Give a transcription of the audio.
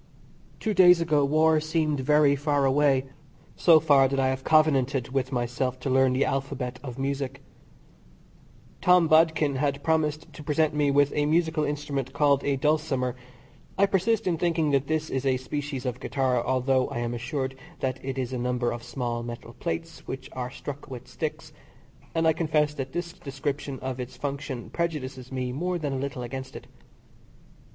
Two days ago war seemed very far away so far, that I have covenanted with myself to learn the alphabet of music. Tom Bodkin had promised to present me with a musical instrument called a dulcimer I persist in thinking that this is a species of guitar, although I am assured that it is a number of small metal plates which are struck with sticks, and I confess that this description of its function prejudices me more than a little against it.